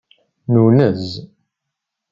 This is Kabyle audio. Nunez.